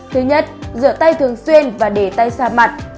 thứ nhất rửa tay thường xuyên và để tay xa mặt